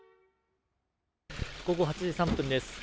午後８時３分です。